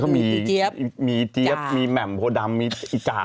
เขามีเจี๊ยบมีเจี๊ยบมีแหม่มโพดำมีอีกา